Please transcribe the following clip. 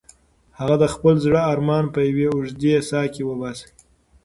هغې د خپل زړه ارمان په یوې اوږدې ساه کې وباسه.